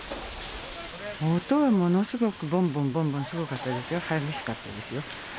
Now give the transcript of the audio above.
音がものすごく、ぼんぼんぼんぼんすごかったですよ、激しかったですよ。